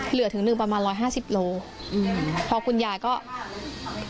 เหลือถึงหนึ่งประมาณ๑๕๐โลกรัม